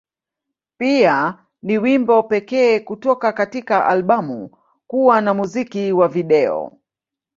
Pia, ni wimbo pekee kutoka katika albamu kuwa na muziki wa video.